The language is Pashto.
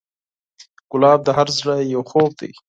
ګلاب د هر زړه یو خوب دی.